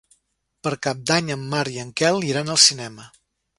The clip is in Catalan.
Per Cap d'Any en Marc i en Quel iran al cinema.